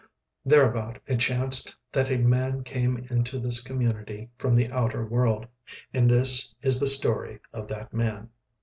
Thereabout it chanced that a man came into this community from the outer world. And this is the story of that man.